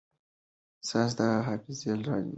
ساینس د حافظې راز لټوي.